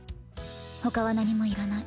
ほかは何もいらない。